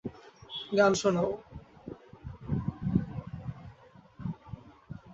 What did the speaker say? গান শোনাও।